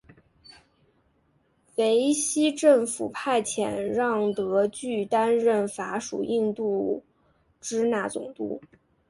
维希政府派遣让德句担任法属印度支那总督。